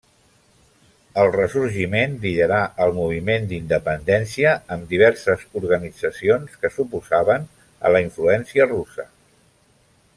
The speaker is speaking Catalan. El ressorgiment liderà el moviment d'independència, amb diverses organitzacions que s'oposaven a la influència russa.